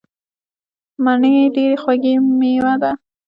مڼې ډیره خوږه میوه ده.